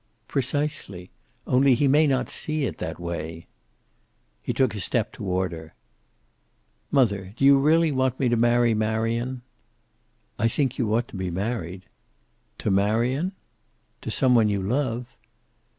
"Precisely. Only he may not see it that way." He took a step toward her. "Mother, do you really want me to marry Marion?" "I think you ought to be married." "To Marion?" "To some one you love."